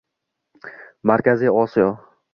Markaziy Osiyo